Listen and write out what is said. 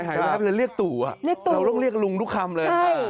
อ่ะเราต้องเรียกลุงทุกคำเลย